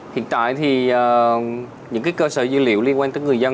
hiện tại thì những cơ sở dữ liệu liên quan tới người dân